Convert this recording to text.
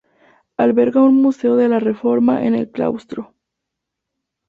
Alberga un museo de la Reforma en el claustro.